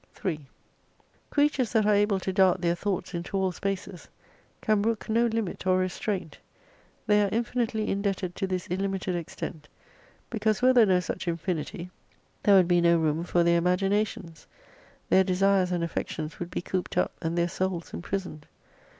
* 3 Creatures that are able to dart their thoughts into all spaces can brook no limit or restraint ; they are infi nitely indebted to this iUimited extent, because were there no such infinity, there would be no room for their imagina tions ; their desires and affections would be cooped up, and their souls imprisoned.